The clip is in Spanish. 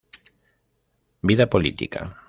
Vida política".